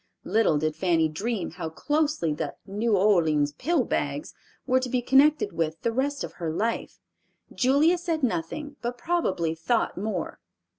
Little did Fanny dream how closely the "New Orleans pill bags" were to be connected with the rest of her life. Julia said nothing but probably thought more.